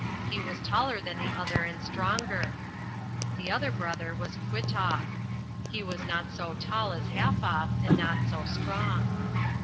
He was taller than the other and stronger. The other brother was Kwitoff. He was not so tall as Halfoff and not so strong.